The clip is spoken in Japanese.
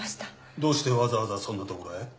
どうしてわざわざそんなところへ？